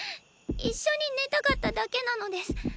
一緒に寝たかっただけなのです。